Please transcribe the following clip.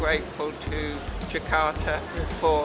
saya tidak tahu apakah akan baik atau buruk